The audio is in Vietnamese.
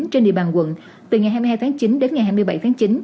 trên địa bàn quận từ ngày hai mươi hai tháng chín đến ngày hai mươi bảy tháng chín